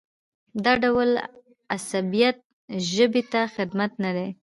دا ډول عصبیت ژبې ته خدمت نه دی.